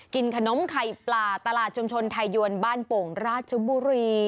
กินขนมไข่ปลาตลาดชุมชนไทยยวนบ้านโป่งราชบุรี